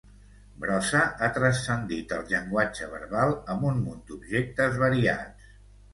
Brossa ha transcendit el llenguatge verbal amb un munt d'objectes variats.